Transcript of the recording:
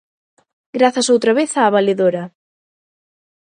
Grazas outra vez á valedora.